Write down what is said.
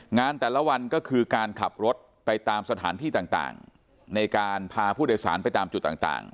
งานแต่ละวันก็คือการขับรถไปตามสถานที่ต่างในการพาผู้โดยสารไปตามจุดต่าง